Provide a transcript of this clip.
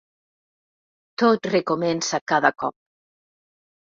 Tot recomença cada cop.